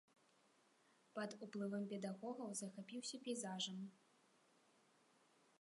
Пад уплывам педагогаў захапіўся пейзажам.